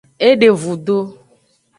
E de vudo.